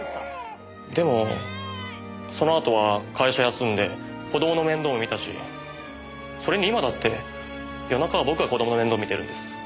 でもそのあとは会社休んで子供の面倒も見たしそれに今だって夜中は僕が子供の面倒見てるんです。